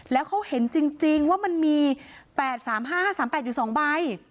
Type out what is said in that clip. แล้วเขาเห็นจริงว่ามันมี๘๓๕๕๓๘อยู่๒ใบ